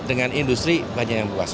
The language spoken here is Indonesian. dengan industri banyak yang luas